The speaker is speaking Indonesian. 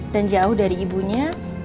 dan jauh dari ibunya